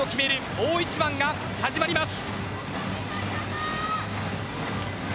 大一番が始まります。